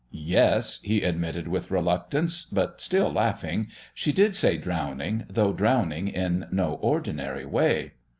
"Yes," he admitted with reluctance, but still laughing; "she did say drowning, though drowning in no ordinary way."